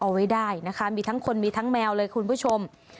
เอาไว้ได้นะคะมีทั้งคนมีทั้งแมวเลยคุณผู้ชม